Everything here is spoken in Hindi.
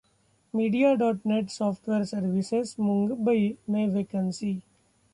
Media.net Software Services, मुंबई में वैकेंसी